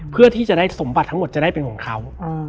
เพื่อที่จะได้สมบัติทั้งหมดจะได้เป็นของเขา